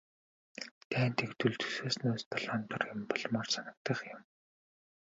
Дайн дэгдвэл төсөөлснөөс долоон доор юм болмоор санагдах юм.